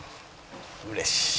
うれしい。